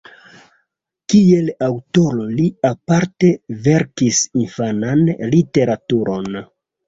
Kiel aŭtoro li aparte verkis infanan literaturon.